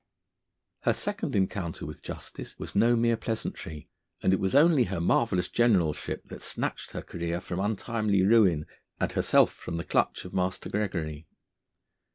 Her second encounter with justice was no mere pleasantry, and it was only her marvellous generalship that snatched her career from untimely ruin and herself from the clutch of Master Gregory.